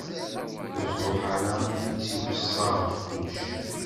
Ur truḥ ara armi i tt-tweṣṣa ɣef kullec.